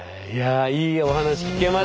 いいお話聞けましたよね。